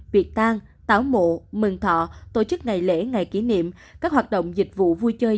biệt tan táo mộ mừng thọ tổ chức ngày lễ ngày kỷ niệm các hoạt động dịch vụ vui chơi